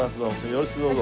よろしくどうぞ。